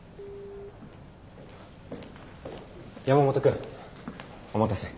山本君お待たせ。